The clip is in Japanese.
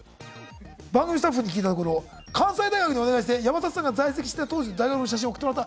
番組スタッフに聞いたところ関西大学にお願いして山里さんが在籍してた当時の大学の写真を送ってもらった。